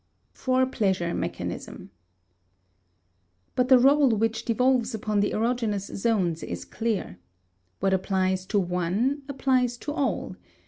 *Fore pleasure Mechanism.* But the rôle which devolves upon the erogenous zones is clear. What applies to one applies to all.